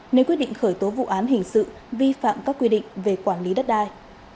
nếu quyết định khởi tố vụ án hình sự vi phạm các quy định về quản lý đất đai